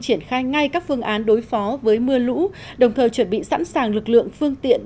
triển khai ngay các phương án đối phó với mưa lũ đồng thời chuẩn bị sẵn sàng lực lượng phương tiện